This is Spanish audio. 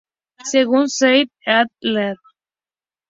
Según Seidel et al.